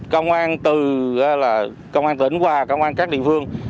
công an từ công an tỉnh và công an các địa phương